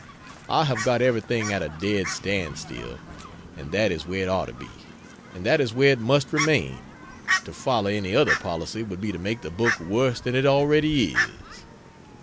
I have got everything at a dead standstill, and that is where it ought to be, and that is where it must remain; to follow any other policy would be to make the book worse than it already is.